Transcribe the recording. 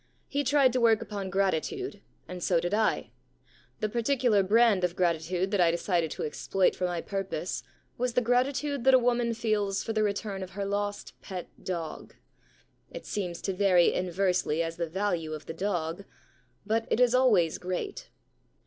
He tried to work upon gratitude, and so did 1. The particular brand of gratitude that I decided to exploit for my purpose was the gratitude that a woman feels for the return of her lost pet dog. It seems to vary inversely as the value of the dog, but it is always great.